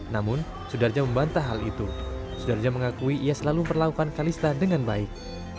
namun sundarja membantah hal itu sundarja mengakui ia selalu perlakukan kalista dengan baik